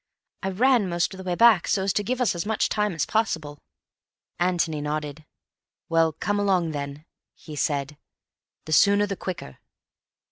"I ran most of the way back so as to give us as much time as possible." Antony nodded. "Well, come along, then," he said. "The sooner, the quicker."